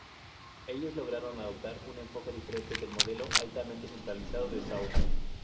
Ellos lograron adoptar un enfoque diferente del modelo altamente centralizado de Shaw.